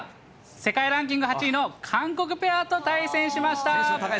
世界ランキング８位の韓国ペアと対戦しました。